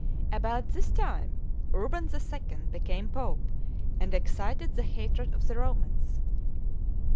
About this time Urban II. became pope and excited the hatred of the Romans.